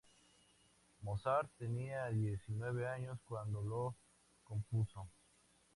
Mozart tenía diecinueve años cuando la compuso.